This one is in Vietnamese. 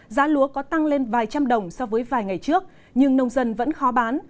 giá lúa có tăng lên vài trăm đồng so với vài ngày trước nhưng nông dân vẫn khó bán